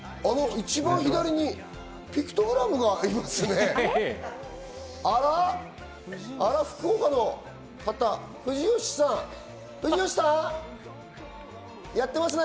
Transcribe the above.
一番左にピクトグラムがいますね。